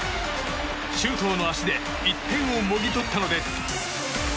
周東の足で１点をもぎ取ったのです。